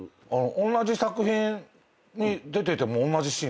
同じ作品に出てても同じシーンないですよね。